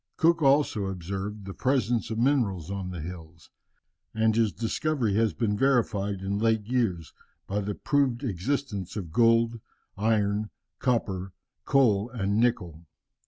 Cook also observed the presence of minerals on the hills, and his discovery has been verified in late years by the proved existence of gold, iron, copper, coal, and nickel.